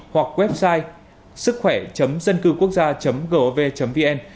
hoặc website sứckhỏe dâncưquốc gia gov vn